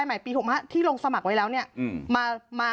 มาสมัครเป็นลำดับ